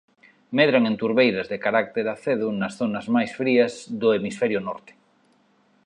Medran en turbeiras de carácter acedo nas zonas máis frías do Hemisferio Norte.